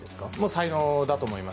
才能だと思います。